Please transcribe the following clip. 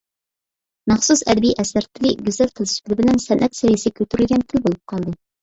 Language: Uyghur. مەخسۇس ئەدەبىي ئەسەر تىلى گۈزەل تىل سۈپىتى بىلەن سەنئەت سەۋىيىسىگە كۆتۈرۈلگەن تىل بولۇپ قالدى.